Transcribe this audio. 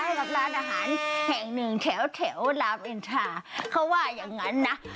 ให้กับร้านอาหารแห่งหนึ่งแถวแถวรามอินทราเขาว่าอย่างนั้นนะ